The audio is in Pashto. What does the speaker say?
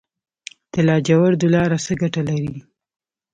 د لاجوردو لاره څه ګټه لري؟